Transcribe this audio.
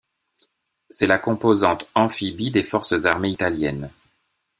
C'est la composante amphibie des Forces armées italiennes.